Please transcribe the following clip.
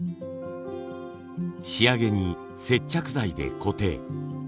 仕上げに接着剤で固定。